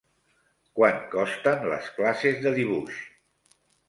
Quant costen les classes de dibuix?